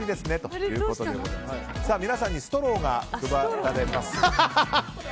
皆さんにストローが配られます。